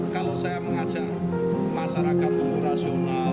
kalau saya mengajak masyarakat untuk rasional